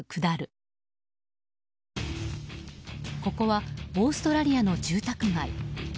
ここはオーストラリアの住宅街。